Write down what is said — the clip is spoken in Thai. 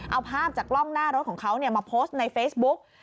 เอาภาพจากกล้องหน้ารถของเขามาโพสต์ในเฟซบุ๊ก